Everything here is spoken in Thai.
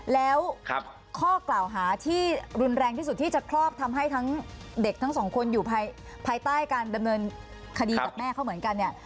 แล้วข้อกล่าวหาที่รุนแรงที่สุดที่จะครอบทำให้ทั้งเด็กทั้งสองคนอยู่ภายใต้การดำเนินคดีกับแม่เขาเหมือนกันเนี่ย